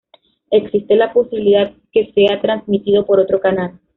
Existe la posibilidad que sea transmitido por otro canal.